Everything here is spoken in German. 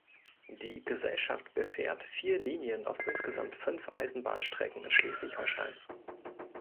Die Gesellschaft befährt vier Linien auf insgesamt fünf Eisenbahnstrecken in Schleswig-Holstein.